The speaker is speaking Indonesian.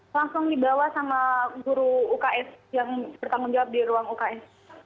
langsung dibawa sama guru uks yang bertanggung jawab di ruang uks